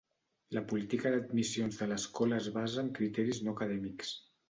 La política d'admissions de l'escola es basa en criteris no acadèmics.